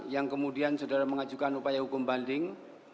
yang kemudian saudara mengajukan upaya hukum banding